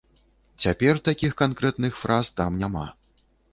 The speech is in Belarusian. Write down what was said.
Цяпер такіх канкрэтных фраз там няма.